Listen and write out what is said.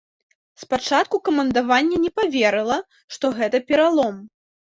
Спачатку камандаванне не паверыла, што гэта пералом.